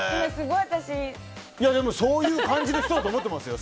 でもそういう感じの人だと思ってますよ。